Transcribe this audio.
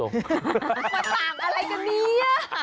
มันต่างอะไรกันเนี่ย